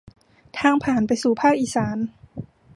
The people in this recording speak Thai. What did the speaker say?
ทางผ่านไปสู่ภาคอีสาน